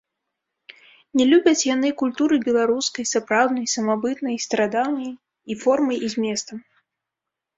Не любяць яны культуры беларускай, сапраўднай, самабытнай, старадаўняй і формай і зместам.